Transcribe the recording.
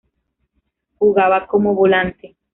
Jugaba como volante.